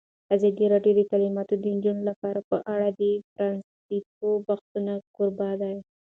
ازادي راډیو د تعلیمات د نجونو لپاره په اړه د پرانیستو بحثونو کوربه وه.